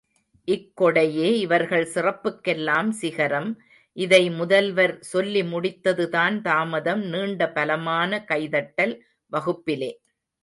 இக்கொடையே இவர்கள் சிறப்புக்கெல்லாம் சிகரம் இதை முதல்வர், சொல்லி முடித்தது தான் தாமதம், நீண்ட பலமான கைதட்டல் வகுப்பிலே.